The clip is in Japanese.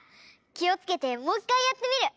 きをつけてもういっかいやってみる！